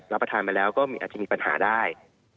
รับประทานมาแล้วก็อาจจะมีปัญหาได้